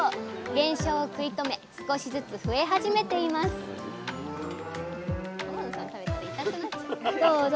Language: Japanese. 減少を食い止め少しずつ増え始めていますどうぞ。